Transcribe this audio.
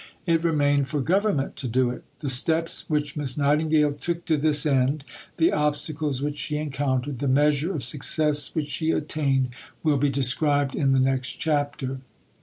It remained for Government to do it. The steps which Miss Nightingale took to this end, the obstacles which she encountered, the measure of success which she attained, will be described in the next chapter.